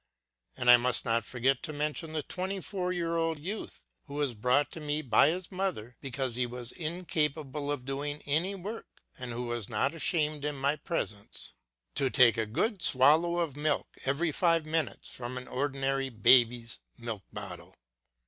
And I must not forget to mention the twenty four year old youth who was brought to me by his mother because he was incapable of doing any work and who was not ashamed in my presence to take a good swallow LOOKING BACKWARD 199 of milk every five minutes from an ordinary baby's milk bottle.